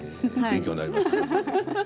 勉強になりました。